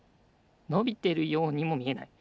のびてるようにもみえない？